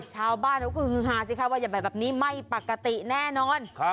ชาวบ้านเขาก็ฮือฮาสิคะว่าอย่าไปแบบนี้ไม่ปกติแน่นอน